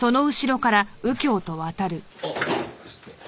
あっ失礼。